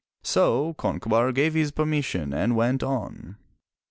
So Concobar gave his permission and went on.